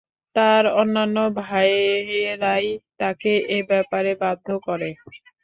তার অন্যান্য ভাইয়েরাই তাঁকে এ ব্যাপারে বাধ্য করে।